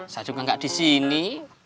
saya juga gak disini